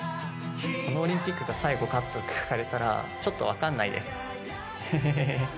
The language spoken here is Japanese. このオリンピックが最後かと聞かれたら、ちょっと分かんないです。